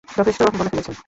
যথেষ্ট বলে ফেলেছেন!